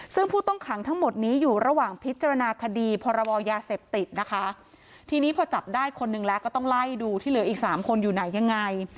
ซึ่งผู้ต้องขังทั้งหมดนี้อยู่ระหว่างพิจารณาคดีพรบยาเสพติดนะคะทีนี้พอจับได้คนหนึ่งแล้วก็ต้องไล่ดูที่เหลืออีกสามคนอยู่ไหนยังไง